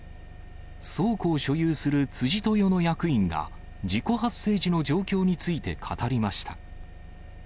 倉庫を所有する辻豊の役員が、事故発生時の状況について語りました。